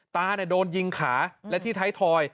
ตาโดนยิงขาและที่ท้ายทอย